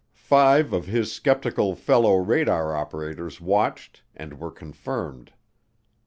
Five of his skeptical fellow radar operators watched and were confirmed.